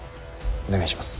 お願いします。